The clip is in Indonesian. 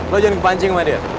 lo jangan kepancing sama dia